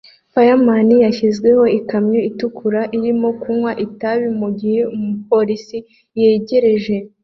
Fireman yashizemo ikamyo itukura irimo kunywa itabi mugihe umupolisi yegereje